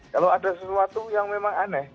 kalau ada sesuatu yang memang aneh